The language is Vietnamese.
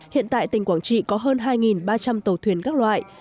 hiện tại tỉnh quảng trị có hơn hai ba trăm linh tàu thuyền các loại